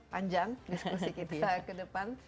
panjang diskusi kita ke depan